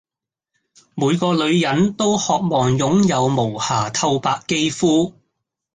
每個女人都渴望擁有無瑕透白肌膚